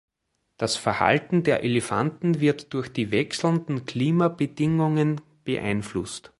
Das Verhalten der Elefanten wird durch die wechselnden Klimabedingungen beeinflusst.